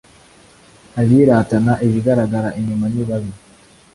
abiratana ibigaragara inyuma ni babi